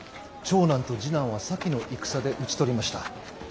長男と次男は先の戦で討ち取りました。